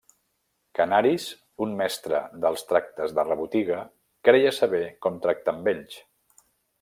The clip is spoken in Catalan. Canaris, un mestre dels tractes de rebotiga, creia saber com tractar amb ells.